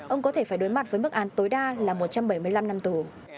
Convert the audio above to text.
ông có thể phải đối mặt với mức án tối đa là một trăm bảy mươi năm năm tù